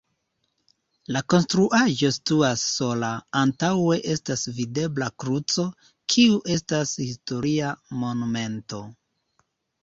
La konstruaĵo situas sola, antaŭe estas videbla kruco, kiu estas historia monumento.